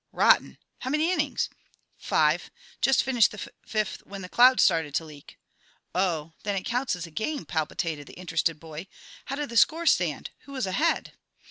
"Rotten! How many innings " "Five; just finished the fif fifth when the clouds started to leak." "Oh, then it counts as a game," palpitated the interested boy. "How did the score stand? Who was ahead?"